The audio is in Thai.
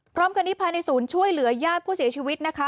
พร้อมกันนี้ภายในศูนย์ช่วยเหลือญาติผู้เสียชีวิตนะคะ